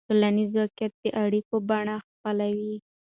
ټولنیز واقعیت د اړیکو بڼه خپلوي.